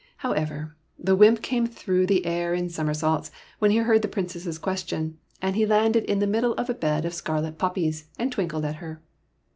However, the wymp came through the air in somersaults, when he heard the Princess's question, and he landed in the middle of a bed of scarlet poppies and twinkled at her.